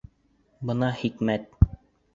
— Бына хикмәт!..